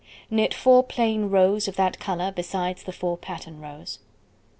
Knit 4 plain rows of that colour besides the 4 pattern rows.